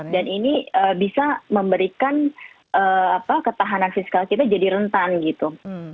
dan ini bisa memberikan ketahanan fiskal kita jadi rentan gitu